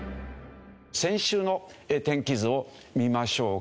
先週の天気図を見ましょうか。